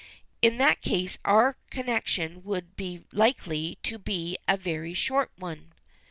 In that case our connection would be likely to be a very short one."